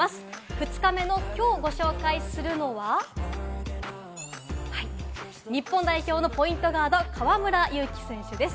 ２日目のきょうご紹介するのは、日本代表のポイントガード・河村勇輝選手です。